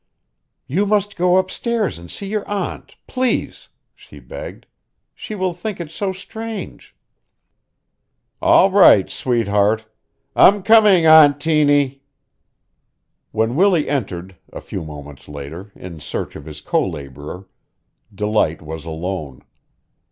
"You must go upstairs and see your aunt please!" she begged. "She will think it so strange." "All right, sweetheart. I'm coming, Aunt Tiny." When Willie entered a few moments later in search of his co laborer, Delight was alone.